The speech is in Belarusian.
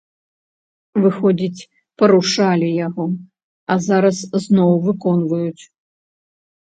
Выходзіць, парушалі яго, а зараз зноў выконваюць.